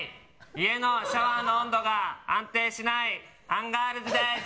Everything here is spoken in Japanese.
家のシャワーの温度が安定しないアンガールズです